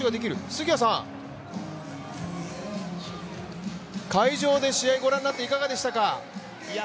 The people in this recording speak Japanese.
杉谷さん、会場で試合をご覧になっていかがでしたか？